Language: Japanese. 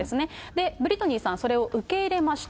で、ブリトニーさん、それを受け入れました。